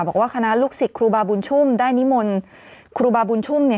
บอกว่าคณะลูกศิษย์ครูบาบุญชุ่มได้นิมนต์ครูบาบุญชุ่มเนี่ย